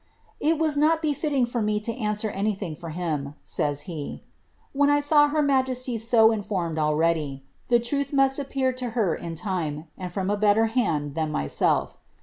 " It was not befitting for me lo answer anything for him," says he, " when I saw her majesty so informed already. The truth must appear to her in time, and from a bcller hand than myself.